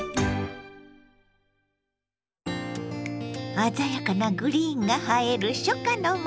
鮮やかなグリーンが映える初夏の豆。